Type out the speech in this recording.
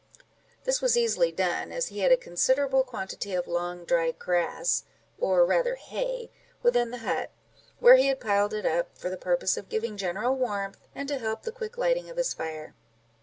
This was easily done, as he had a considerable quantity of long dry grass, or rather hay, within the hut, where he had piled it up, for the purpose of giving general warmth, and to help the quick lighting of his fire.